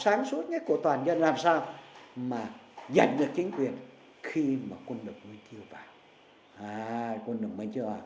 à quân đồng minh chưa vào